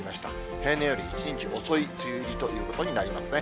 平年より１日遅い梅雨入りということになりますね。